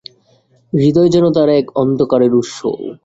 হৃদয় যেন তার এক অন্ধকারের উৎস।